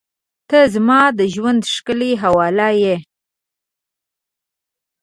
• ته زما د ژونده ښکلي حواله یې.